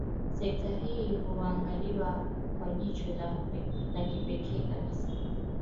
Sekta hii huangaliwa kwa jicho la kipekee kabisa